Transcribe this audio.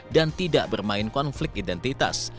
dan tidak bermain konflik identitas